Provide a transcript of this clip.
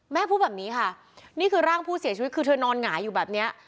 พูดแบบนี้ค่ะนี่คือร่างผู้เสียชีวิตคือเธอนอนหงายอยู่แบบเนี้ย